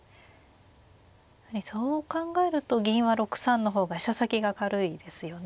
そう考えると銀は６三の方が飛車先が軽いですよね。